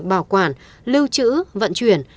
bảo quản lưu trữ vận chuyển